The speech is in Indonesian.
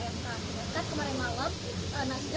kenapa seperti tersesat ada beda sisa